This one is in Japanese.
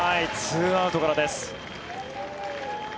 ２アウトからです。